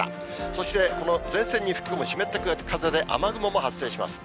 そして、この前線に吹き込む湿った風で雨雲も発生します。